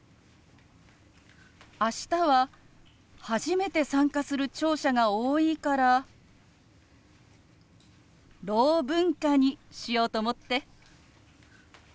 明日は初めて参加する聴者が多いから「ろう文化」にしようと思って。